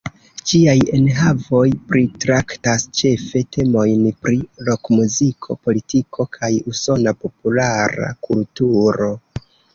Ĝiaj enhavoj pritraktas ĉefe temojn pri rokmuziko, politiko, kaj usona populara kulturo.